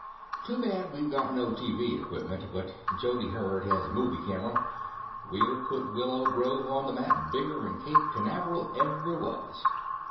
Too bad we've got no TV equipment, but Jody Hurd has a movie camera. We'll put Willow Grove on the map bigger'n Cape Canaveral ever was."